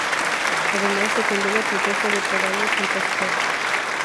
Además, secundó la protesta de Baraguá junto a su jefe.